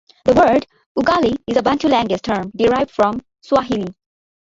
The word "ugali" is a Bantu language term derived from Swahili.